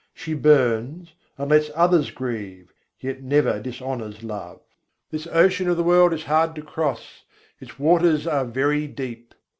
She burns and lets others grieve, yet never dishonours love. This ocean of the world is hard to cross: its waters are very deep.